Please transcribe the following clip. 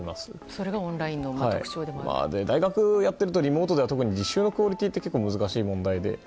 それがオンラインの特徴でもあると大学をやっているとリモートだと特に実習のクオリティーって結構、難しい問題で。